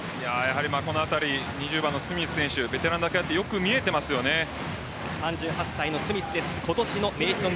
この辺り２０番のスミス選手ベテランなだけあって３８歳、スミスです。